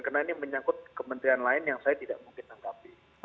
karena ini menyangkut kementerian lain yang saya tidak mungkin tangkapi